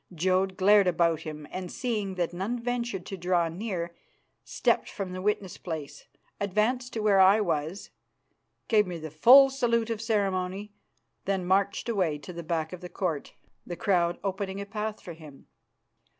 Jodd glared about him, and, seeing that none ventured to draw near, stepped from the witness place, advanced to where I was, gave me the full salute of ceremony, then marched away to the back of the Court, the crowd opening a path for him.